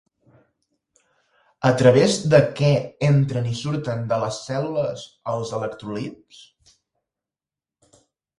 A través de què entren i surten de les cèl·lules els electròlits?